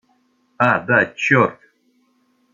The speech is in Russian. А, да, черт!